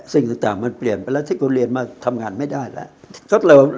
สิ่งต่างมันเปลี่ยนไปแล้วที่คุณเรียนมาทำงานไม่ได้แล้ว